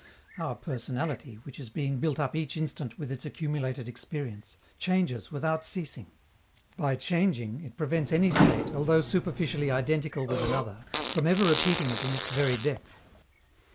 Our personality, which is being built up each instant with its accumulated experience, changes without ceasing. By changing, it prevents any state, although superficially identical with another, from ever repeating it in its very depth.